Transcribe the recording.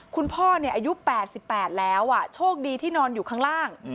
คุณพ่อเนี่ยอายุแปดสิบแปดแล้วอ่ะโชคดีที่นอนอยู่ข้างล่าง